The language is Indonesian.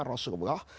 ada di masa rasulullah